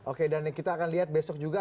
oke dan kita akan lihat besok juga